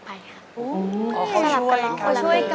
อ๋อเขาช่วยกันครับ